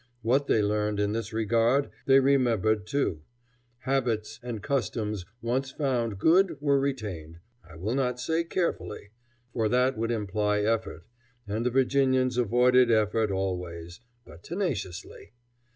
What they learned, in this regard, they remembered too. Habits and customs once found good were retained, I will not say carefully, for that would imply effort, and the Virginians avoided effort always, but tenaciously.